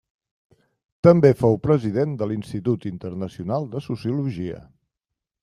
També fou president de l'Institut Internacional de Sociologia.